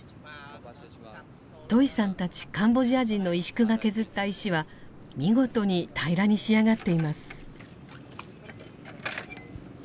トイさんたちカンボジア人の石工が削った石は見事に平らに仕上がっています。